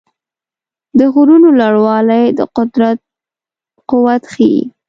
د غرونو لوړوالي د قدرت قوت ښيي.